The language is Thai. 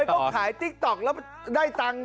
ทำไมต้องขายติ๊กต๊อกแล้วได้ตังค์